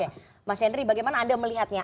oke mas henry bagaimana anda melihatnya